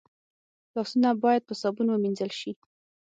لاسونه باید په صابون ومینځل شي